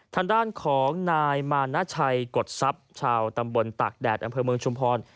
ทางด้านของนายมานาชัยกฎทรัพย์ชาวตำบลตากแดดอำเภอเมืองชุมพร